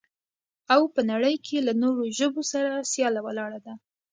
او په نړۍ کې له نورو ژبو سره سياله ولاړه ده.